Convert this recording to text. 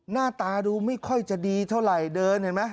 หน้าตาดูไม่ค่อยจะดีเท่าไหร่เดินเห็นไหม